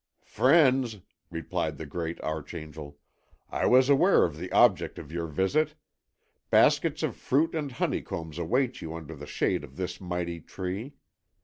"Friends," replied the great archangel, "I was aware of the object of your visit. Baskets of fruit and honeycombs await you under the shade of this mighty tree.